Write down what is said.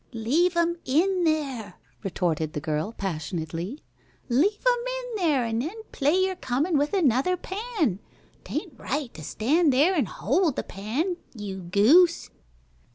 "Leave 'm in there," retorted the girl, passionately. "Leave 'm in there, an' then play you're comin' with another pan. 'Tain't right to stand there an' hold the pan, you goose."